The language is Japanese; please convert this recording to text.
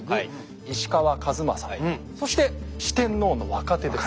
石川数正そして四天王の若手です。